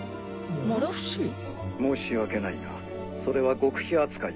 申し訳ないがそれは極秘扱いだ。